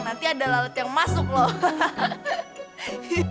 nanti ada lalat yang masuk lho